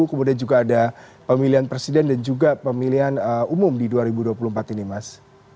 kemudian juga ada pemilihan presiden dan juga pemilihan umum di dua ribu dua puluh empat ini mas